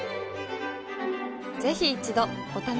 ぜひ一度お試しを。